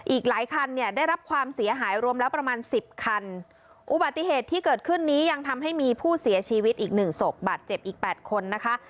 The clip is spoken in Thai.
อีกหลายคันเนี่ยได้รับความเสียหายรวมแล้วประมาณสิบคันอุบัติเหตุที่เกิดขึ้นนี้ยังทำให้มีผู้เสียชีวิตอีกหนึ่งศพบาดเจ็บอีกแปดคนนะคะ